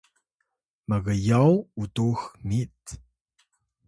mgyaw utux mit